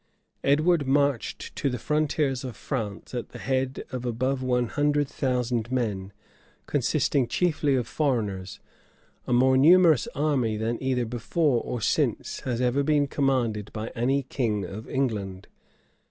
Edward marched to the frontiers of France at the head of above one hundred thousand men, consisting chiefly of foreigners, a more numerous army than either before or since has ever been commanded by any king of England.